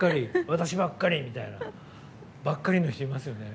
私ばっかりみたいな。ばっかりの人いますよね。